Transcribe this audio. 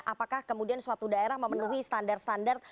apakah kemudian suatu daerah memenuhi standar standar